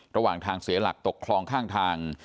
ระหว่างทางเสียหลักตกคลองข้างทาง